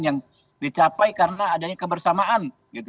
yang dicapai karena adanya kebersamaan